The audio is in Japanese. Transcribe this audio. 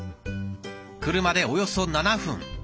車でおよそ７分。